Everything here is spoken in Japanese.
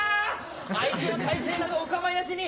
相手の態勢などお構いなしに。